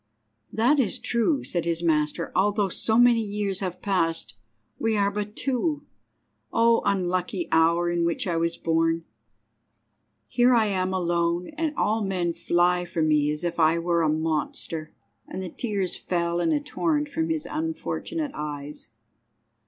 "That is true," said his master. "Although so many years have passed, we are but two. O unlucky hour in which I was born! Here am I alone, and all men fly from me as if I were a monster," and the tears fell in a torrent from his unfortunate eyes.